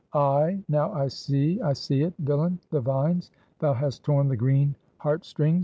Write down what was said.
Ay, now I see, I see it: Villain! the vines! Thou hast torn the green heart strings!